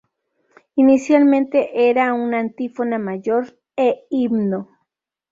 Inicialmente era una antífona mayor e himno.